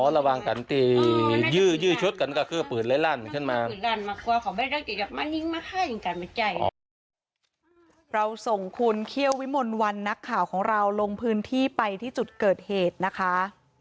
เราส่งคุณเคี่ยววิมลวันนักข่าวของเราลงพื้นที่ไปที่จุดเกิดเหตุนะคะ